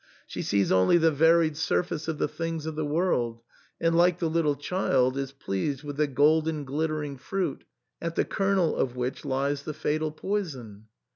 She sees only the varied surface of the things of the world, and, like the little child, is pleased with the golden glittering fruit, at the kernel of which lies the fatal poison.'